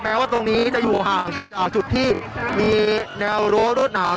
แม้ว่าตรงนี้จะอยู่ห่างจากจุดที่มีแนวรั้วรวดหนาม